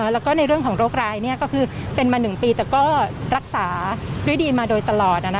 แล้วก็ในเรื่องของโรคร้ายก็คือเป็นมา๑ปีแต่ก็รักษาด้วยดีมาโดยตลอด